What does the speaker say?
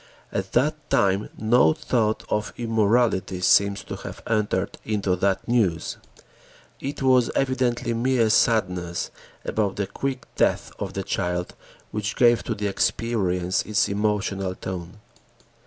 At that time no thought of immorality seems to have entered into that news. It was evidently mere sadness about the quick death of the child which gave to the experience its emotional tone.